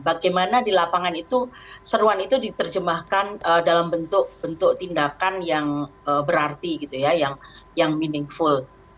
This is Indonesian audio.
bagaimana di lapangan itu seruan itu diterjemahkan dalam bentuk bentuk tindakan yang berarti gitu ya yang meaningful